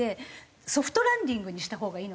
ソフトランディングにした方がいいのかなって。